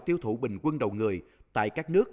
tiêu thụ bình quân đầu người tại các nước